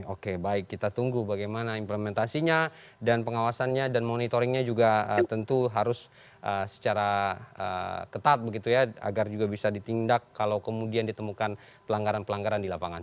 oke baik kita tunggu bagaimana implementasinya dan pengawasannya dan monitoringnya juga tentu harus secara ketat begitu ya agar juga bisa ditindak kalau kemudian ditemukan pelanggaran pelanggaran di lapangan